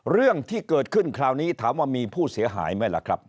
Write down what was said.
เรื่องที่เกิดขึ้นคราวนี้ถามว่ามีผู้เสียหายไหมล่ะครับ